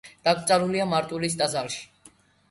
დაკრძალულია მარტვილის ტაძარში.